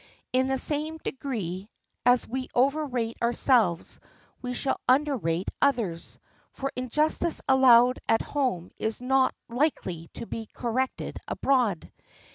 In the same degree as we overrate ourselves we shall underrate others; for injustice allowed at home is not likely to be corrected abroad.